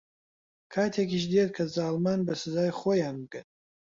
کاتێکیش دێت کە زاڵمان بە سزای خۆیان بگەن.